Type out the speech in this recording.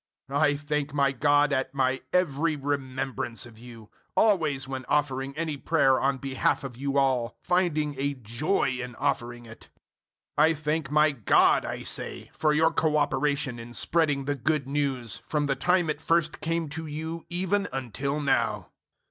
001:003 I thank my God at my every remembrance of you 001:004 always when offering any prayer on behalf of you all, finding a joy in offering it. 001:005 I thank my God, I say, for your cooperation in spreading the Good News, from the time it first came to you even until now.